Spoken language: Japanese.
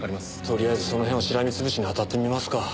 とりあえずその辺をしらみ潰しに当たってみますか。